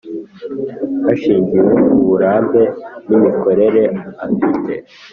hashingiwe ku burambe n imikorere afite